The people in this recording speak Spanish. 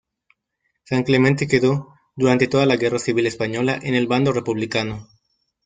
San Clemente quedó, durante toda la Guerra Civil Española en el Bando republicano.